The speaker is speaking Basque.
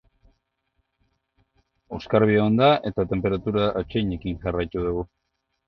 Oskarbi egon da eta tenperatura atseginekin jarraitu dugu.